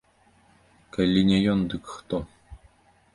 Калі не ён, дык хто?